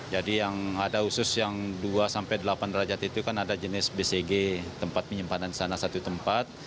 jadi yang ada khusus yang dua delapan derajat itu kan ada jenis bcg tempat penyimpanan di sana satu tempat